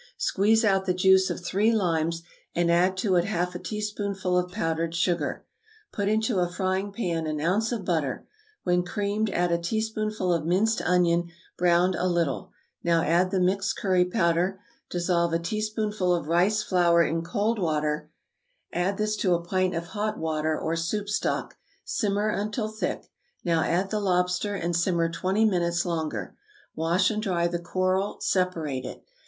Squeeze out the juice of three limes, and add to it half a teaspoonful of powdered sugar. Put into a frying pan an ounce of butter; when creamed add a teaspoonful of minced onion browned a little; now add the mixed curry powder; dissolve a teaspoonful of rice flour in cold water, add this to a pint of hot water or soup stock, simmer until thick; now add the lobster, and simmer twenty minutes longer. Wash and dry the coral, separate it.